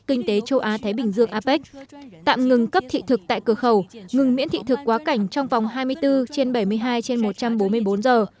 kinh tế châu á thái bình dương apec tạm ngừng cấp thị thực tại cửa khẩu ngừng miễn thị thực quá cảnh trong vòng hai mươi bốn trên bảy mươi hai trên một trăm bốn mươi bốn giờ